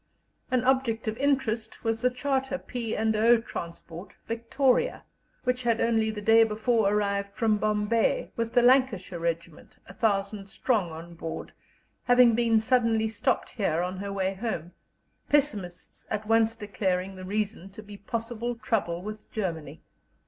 An object of interest was the chartered P. and O. transport Victoria, which had only the day before arrived from Bombay, with the Lancashire Regiment, 1,000 strong, on board, having been suddenly stopped here on her way home, pessimists at once declaring the reason to be possible trouble with Germany.